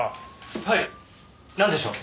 はいなんでしょう？